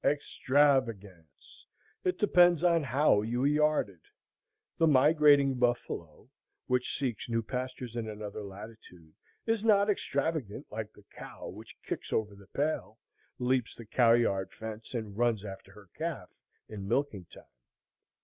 Extra vagance! it depends on how you are yarded. The migrating buffalo, which seeks new pastures in another latitude, is not extravagant like the cow which kicks over the pail, leaps the cow yard fence, and runs after her calf, in milking time.